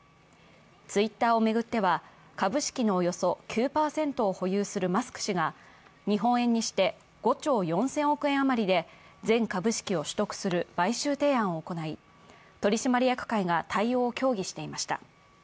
ツイッターを巡っては、株式のおよそ９％を保有するマスク氏が日本円にして５兆４０００億円余りで全株式を取得する買収提案を行い、取締役会が対応を協議していました。